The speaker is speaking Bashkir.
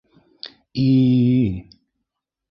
И!